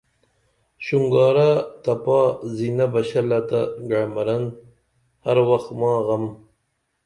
شونگارہ تپا زِنہ بہ شلہ تہ گعمرن ہر وخ ماں غم